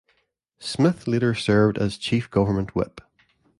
Smith later served as Chief Government Whip.